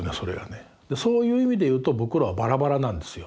そういう意味で言うと僕らはバラバラなんですよ。